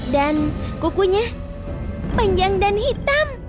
dan kukunya panjang dan hitam